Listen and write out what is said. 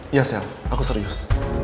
iya sel aku serius